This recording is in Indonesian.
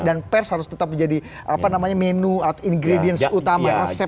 dan pers harus tetap menjadi menu atau ingredients utama